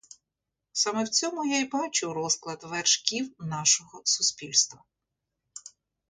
Саме в цьому я й бачу розклад вершків нашого суспільства.